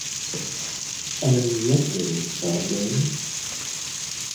Em nhất định sẽ đến